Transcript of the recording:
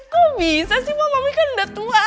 kok bisa sih pak mami kan udah tua